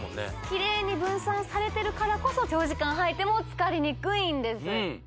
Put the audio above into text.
キレイに分散されてるからこそ長時間履いても疲れにくいんです